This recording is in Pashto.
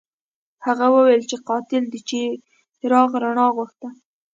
هغه وویل چې قاتل د څراغ رڼا غوښته.